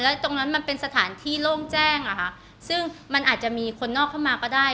แล้วตรงนั้นมันเป็นสถานที่โล่งแจ้งอ่ะค่ะซึ่งมันอาจจะมีคนนอกเข้ามาก็ได้